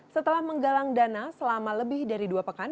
setelah menggalang dana selama lebih dari dua pekan